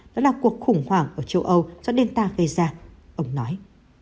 đó là cuộc khủng hoảng ở châu âu do delta gây ra ông nói